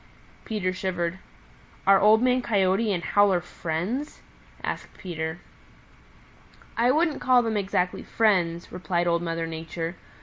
Peter shivered. "Are Old Man Coyote and Howler friends?" asked Peter. "I wouldn't call them exactly friends," replied Old Mother Nature.